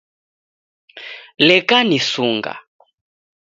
Leka nisunga